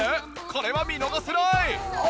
これは見逃せない！